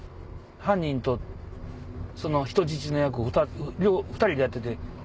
犯人と人質の役を２人でやってて。